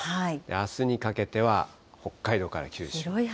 あすにかけては、北海道から九州。